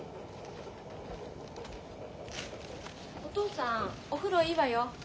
お父さんお風呂いいわよ。